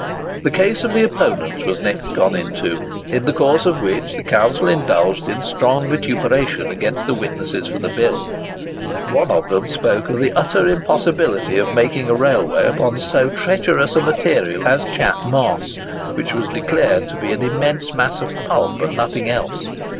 The case of the opponents was next gone into, in the course of which the counsel indulged in strong vituperation against the witnesses for the bill. One of them spoke of the utter impossiblity of making a railway upon so treacherous a material as Chat Moss, which was declared to be an immense mass of pulp, and nothing else.